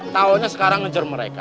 tawolnya sekarang ngejar mereka